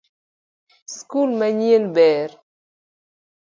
Skul manyien ber